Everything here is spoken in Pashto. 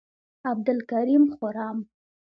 عبدالکریم خرم،